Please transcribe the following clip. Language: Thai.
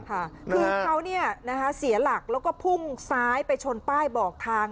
คือเขาเสียหลักแล้วก็พุ่งซ้ายไปชนป้ายบอกทาง